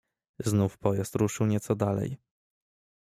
"Znów pojazd ruszył nieco dalej."